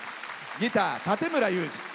ギター、館村雄二。